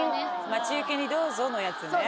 待ち受けにどうぞのやつね。